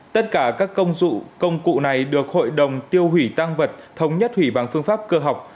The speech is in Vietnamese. tất cả các công dụng công cụ này được hội đồng tiêu hủy tăng vật thống nhất hủy bằng phương pháp cơ học